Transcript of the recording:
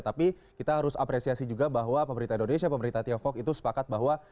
tapi kita harus apresiasi juga bahwa pemerintah indonesia pemerintah tiongkok itu sepakat bahwa